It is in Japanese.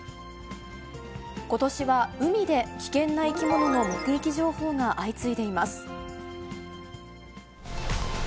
ことしは海で危険な生き物の目撃情報が相次いでいます。